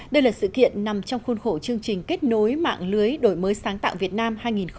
đây là sự kiện nằm trong khuôn khổ chương trình kết nối mạng lưới đổi mới sáng tạo việt nam hai nghìn hai mươi